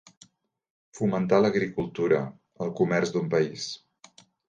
Fomentar l'agricultura, el comerç d'un país.